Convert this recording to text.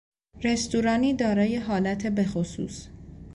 رستورانی دارای حالت بخصوص